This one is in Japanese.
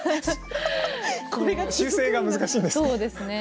修正が難しいんですね。